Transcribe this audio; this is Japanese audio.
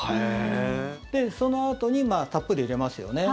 そのあとにたっぷり入れますよね。